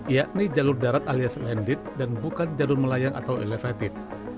yakni jalur darat alias ended dan bukan jalur melayang atau elevated